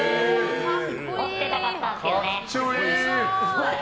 持ってたかったんですけどね。